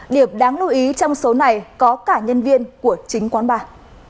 điểm đáng lưu ý trong số này có cả nhân viên của chính quán bar